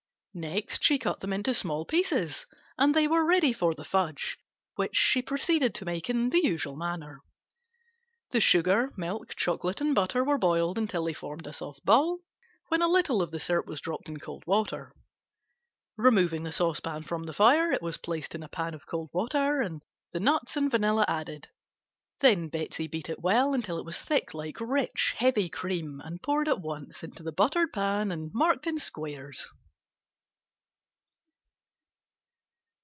Next she cut them into small pieces and they were ready for the fudge, which she proceeded to make in the usual manner. The sugar, milk, chocolate and butter were boiled until they formed a soft ball, when a little of the syrup was dropped in cold water; removing the saucepan from the fire, it was placed in a pan of cold water and the nuts and vanilla added, then Betsey beat it well until it was thick like rich, heavy cream and poured at once into the buttered pan and marked in squares.